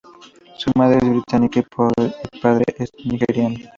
Su madre es británica y su padre es nigeriano.